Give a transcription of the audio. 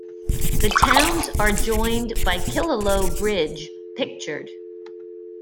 The towns are joined by Killaloe Bridge, pictured.